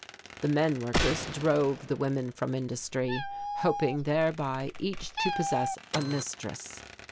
The men workers drove the women from industry, hoping thereby each to possess a mistress.